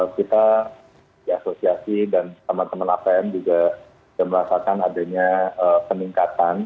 kita di asosiasi dan teman teman apm juga sudah merasakan adanya peningkatan